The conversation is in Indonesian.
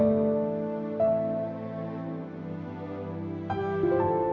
jadi setelah itu kupuak hatu hatamu bisa berjalan selonjang